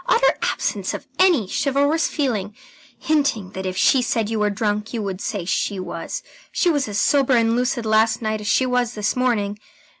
Utter absence of any chivalrous feeling hinting that if she said you were drunk, you would say she was. She was as sober and lucid last night as she was this morning.